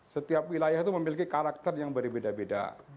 setiap wilayah itu memiliki karakter yang berbeda beda